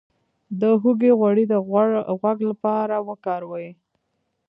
د هوږې غوړي د غوږ لپاره وکاروئ